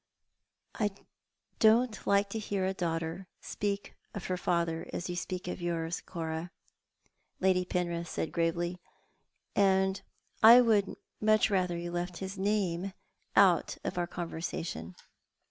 *' I don't like to hear a daughter speak of her father as you speak of yours, Cora," Lady Penrith paid gravely, " and I would much rather you left his name out of our conversation.